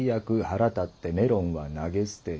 腹立ってメロンは投げ捨てた」。